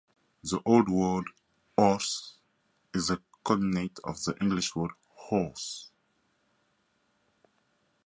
The old word "ors" is a cognate of the English word "horse".